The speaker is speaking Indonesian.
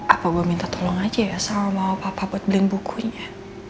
apa gue minta tolong aja ya sama papa buat beliin bukunya